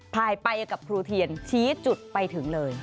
พายไปกับครูเทียนชี้จุดไปถึงเลย